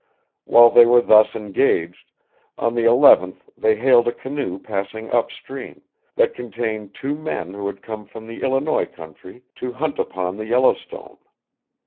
While they were thus engaged, on the 11th they hailed a canoe passing up stream, that contained two men who had come from the Illinois country to hunt upon the Yellowstone.